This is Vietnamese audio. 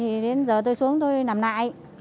thì đến giờ tôi xuống tôi nằm lại